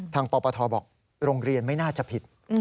ปปทบอกโรงเรียนไม่น่าจะผิด